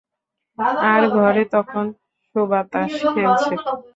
আর ঘরে তখন সুবাতাস খেলছে।